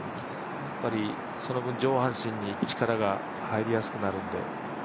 その分、上半身に力が入りやすくなるので。